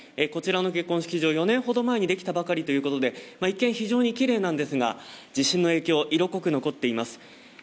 こちらの結婚式場、４年ほど前にできたばかりということで一見非常に奇麗なんですが地震の影響色濃く残っています。